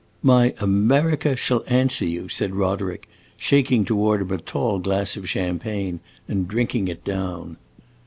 "My 'America' shall answer you!" said Roderick, shaking toward him a tall glass of champagne and drinking it down.